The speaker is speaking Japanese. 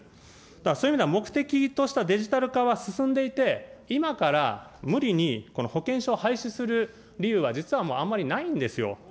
そういう意味では目的としたデジタル化は進んでいて、今から、無理に保険証を廃止する理由は実はもうあんまりないんですよ。